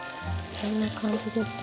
こんな感じですね。